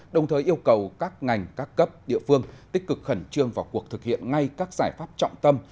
đồng thời yêu cầu các ngành các cấp địa phương tích cực khẩn trương vào cuộc thực hiện ngay các giải pháp trọng tâm